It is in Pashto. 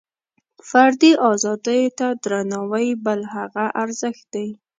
فردي ازادیو ته درناوۍ بل هغه ارزښت دی.